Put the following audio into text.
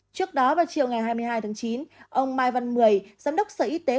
trước đó vào chiều ngày hai mươi hai tháng chín ông mai văn mười giám đốc sở y tế